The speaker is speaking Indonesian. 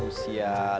usia lima tahun